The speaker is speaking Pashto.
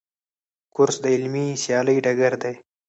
کورس د علمي سیالۍ ډګر دی.